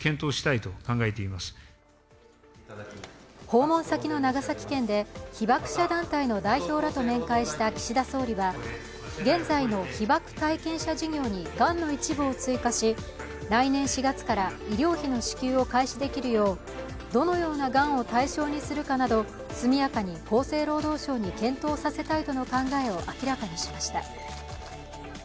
訪問先の長崎県で、被爆者団体の代表らと面会した岸田総理は現在の被爆体験者事業にがんの一部を追加し来年４月から医療費の支給を開始できるようどのようながんを対象にするかなど、速やかに厚生労働省に検討させたいとの考えを明らかにしました。